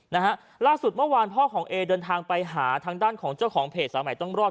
นะฮะล่าสุดเมื่อวานพ่อของเอเดินทางไปหาทางด้านของเจ้าของเพจสายใหม่ต้องรอด